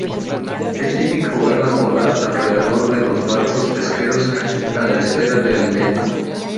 Es típico verlas volar alrededor de los barcos pesqueros a la espera de alimento.